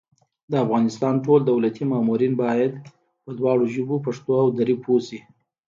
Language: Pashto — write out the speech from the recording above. د افغانستان ټول دولتي مامورین بايد په دواړو ژبو پښتو او دري پوه شي